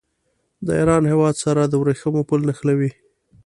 د ایران هېواد سره د ورېښمو پل نښلوي.